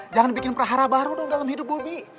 jangan bikin perahara baru dong dalam hidup bobi